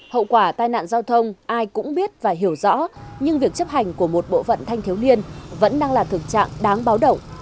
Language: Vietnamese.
hậu quả tai nạn giao thông ai cũng biết và hiểu rõ nhưng việc chấp hành của một bộ phận thanh thiếu niên vẫn đang là thực trạng đáng báo động